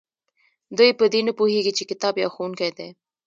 دوی په دې نه پوهیږي چې کتاب یو ښوونکی دی.